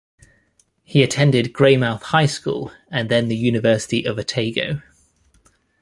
He attended Greymouth High School and then the University of Otago.